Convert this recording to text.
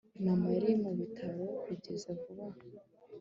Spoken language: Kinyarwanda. mama yari mu bitaro kugeza vuba aha